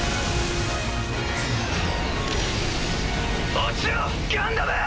墜ちろガンダム！